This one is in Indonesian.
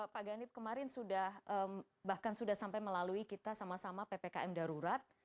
pak ganip kemarin sudah bahkan sudah sampai melalui kita sama sama ppkm darurat